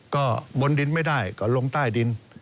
ก็บนดินไม่ได้ก็ลงใต้ดิน